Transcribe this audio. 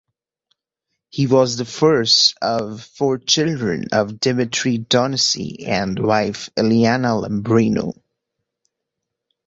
He was the first of four children of Dimitrie Donici and wife Ileana Lambrino.